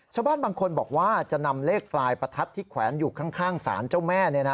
ชาวบ้านบางคนบอกว่าจะนำเลขปลายประทัดที่แขวนอยู่ข้างศาลเจ้าแม่